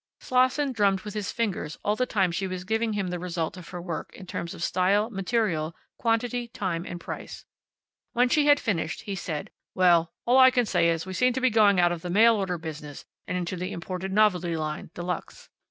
Slosson drummed with his fingers all the time she was giving him the result of her work in terms of style, material, quantity, time, and price. When she had finished he said, "Well, all I can say is we seem to be going out of the mail order business and into the imported novelty line, de luxe.